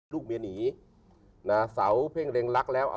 ลูกเมียหนีเสาเพ่งเร็งรักแล้ว